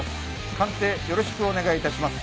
鑑定よろしくお願いいたします。